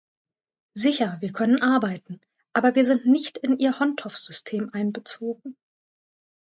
Sicher, wir können arbeiten, aber wir sind nicht in Ihr "Hontov-System" einbezogen.